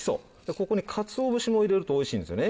ここに鰹節も入れるとおいしいんですよね。